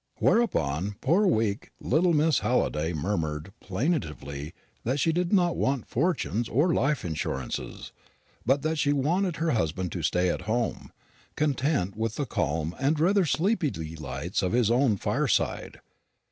Whereupon poor weak little Mrs. Halliday murmured plaintively that she did not want fortunes or life insurances, but that she wanted her husband to stay at home, content with the calm and rather sleepy delights of his own fireside.